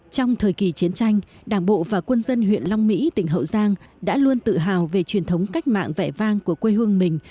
trong thời kỳ chiến tranh đảng bộ và quân dân huyện long mỹ tỉnh hậu giang đã luôn tự hào về truyền thống cách mạng vẻ vang của quê hương mình